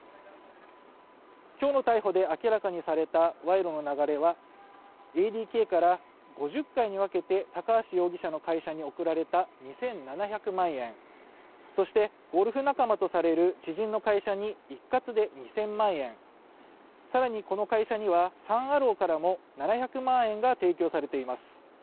今日の逮捕で明らかにされた賄賂の流れは、ＡＤＫから５０回にかけて高橋容疑者の会社に贈られた２７００万円、そしてゴルフ仲間とされる知人の会社に一括で２０００万円、更に、この会社にはサン・アローからも７００万円が提供されています。